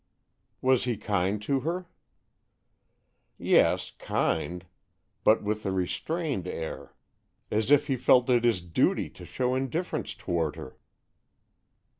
"Was he kind to her?" "Yes, kind, but with a restrained air, as if he felt it his duty to show indifference toward her."